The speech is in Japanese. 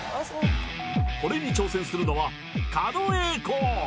これに挑戦するのは狩野英孝